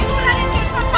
raden kian santal